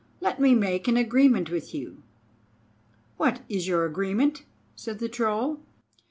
Let me make an agreement with you." "What is your agreement?" said the Troll.